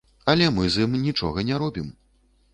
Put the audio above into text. Але мы з ім нічога не робім.